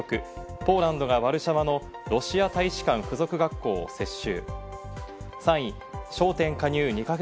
ポーランドがワルシャワのロシア大使館付属学校を接収。